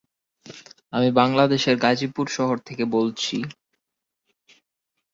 মহারাষ্ট্র সবচেয়ে গুরুত্বপূর্ণ আসনগুলির মধ্যে অন্যতম হল সাতারা লোকসভা আসন।